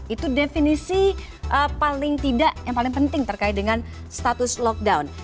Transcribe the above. itu definisi yang paling penting terkait dengan status lockdown